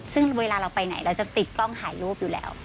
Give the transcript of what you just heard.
ซึ่งเวลาเราไปไหนเราจะติดกล้องถ่ายรูปอยู่แล้ว